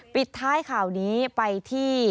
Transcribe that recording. ปิดท้ายข่าวนี้ไปที่